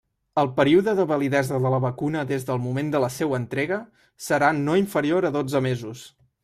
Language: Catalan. El període de validesa de la vacuna des del moment de la seua entrega serà no inferior a dotze mesos.